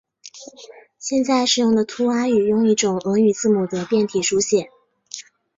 现在使用的图瓦语用一种俄语字母的变体书写。